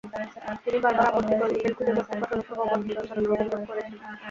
তিনি বারবার আপত্তিকর ই-মেইল, খুদে বার্তা পাঠানোসহ অবাঞ্ছিত আচরণের অভিযোগ করেছেন।